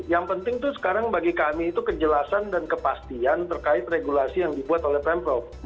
yang penting itu sekarang bagi kami itu kejelasan dan kepastian terkait regulasi yang dibuat oleh pemprov